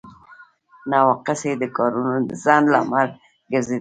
نواقص یې د کارونو د ځنډ لامل ګرځیدل دي.